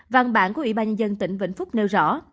văn bản của ủy ban nhân dân tỉnh vĩnh phúc nêu rõ